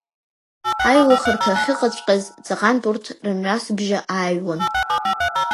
Аилыхарҭа ахьыҟаҵәҟьаз ҵаҟантә урҭ рымҩасбжьы ааҩуан.